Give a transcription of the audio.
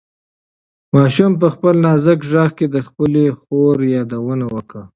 ماشوم په خپل نازک غږ کې د خپلې خور یادونه وکړه.